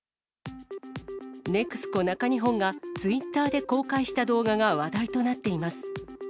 ＮＥＸＣＯ中日本がツイッターで公開した動画が話題となっています。